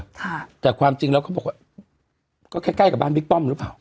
ค่ะแต่ความจริงแล้วเขาบอกว่าก็ใกล้ใกล้กับบ้านบิ๊กป้อมหรือเปล่า